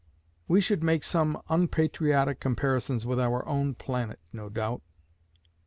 We should make some unpatriotic comparisons with our own planet, no doubt.